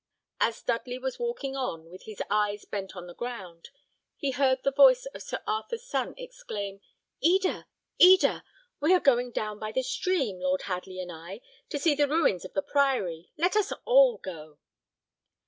As Dudley was walking on, with his eyes bent on the ground, he heard the voice of Sir Arthur's son exclaim, "Eda, Eda, we are going down by the stream, Lord Hadley and I, to see the ruins of the priory. Let us all go."